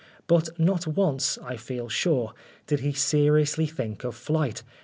But not once, I feel sure, did he seri ously think of flight.